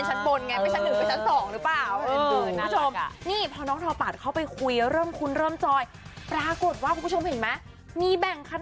ชั้นหนึ่งถามอีกทีอื้อหรือชั้นสอง